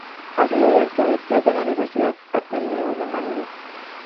Ha sido director de teatro en la Universidad Ateneo de Manila.